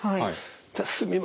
じゃあすみません